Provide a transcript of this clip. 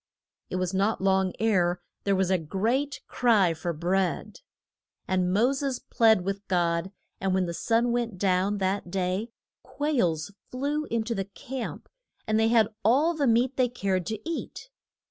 It was not long ere there was a great cry for bread. And Mo ses plead with God, and when the sun went down that day quails flew in to the camp, and they had all the meat they cared to eat.